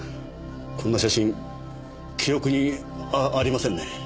こんな写真記憶にあありませんね。